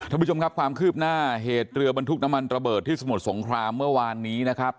ท่านผู้ชมครับความคืบหน้าเหตุเรือบรรทุกน้ำมันระเบิดที่สมุทรสงครามเมื่อวานนี้นะครับ